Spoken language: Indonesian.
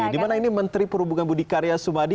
di mana ini menteri perhubungan budi karya sumadi